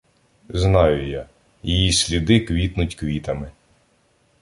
Знаю я – її сліди квітнуть квітами.